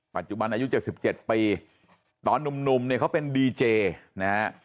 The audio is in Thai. ปัจจุบันอายุ๗๗ปีตอนหนุ่มเนี่ยเขาเป็นดีเจนะฮะ